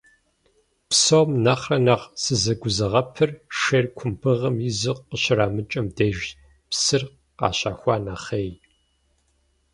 Псом нэхърэ нэхъ сызэгузыгъэпыр шейр кумбыгъэм изу къыщарамыкӏэм дежщ, псыр къащэхуа нэхъей.